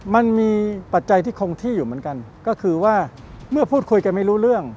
มันมีปัจจัยที่คงที่อยู่เหมือนกันก็คือว่าเมื่อพูดคุยกันไม่รู้เรื่อง